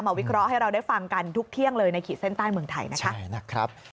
วิเคราะห์ให้เราได้ฟังกันทุกเที่ยงเลยในขีดเส้นใต้เมืองไทยนะคะ